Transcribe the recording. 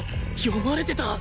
読まれてた！？